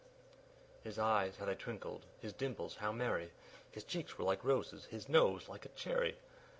His eyes how they twinkled! his dimples how merry! His cheeks were like roses, his nose like a cherry!